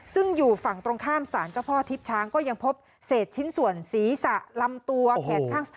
ซึ่งอยู่ฝั่งตรงข้ามสารเจ้าพ่อทิพย์ช้างก็ยังพบเศษชิ้นส่วนศีรษะลำตัวแขนข้าง